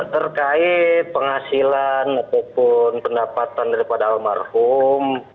terkait penghasilan ataupun pendapatan daripada almarhum